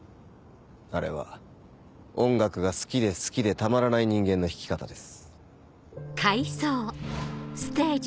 あれは音楽が好きで好きでたまらない人間の弾き方です。